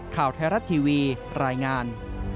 ข่าวไทยรัฐทีวีรายงาน